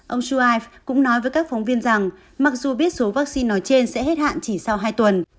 ông suai cũng nói với các phóng viên rằng mặc dù biết số vaccine nói trên sẽ hết hạn chỉ sau hai tuần